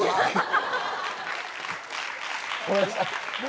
ごめんなさい。